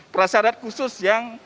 persyarat khusus yang